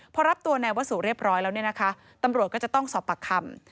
พอรับตัวนายวสุเรียบร้อยแล้วเนี่ยนะคะตำรวจก็จะต้องสอบปากคำ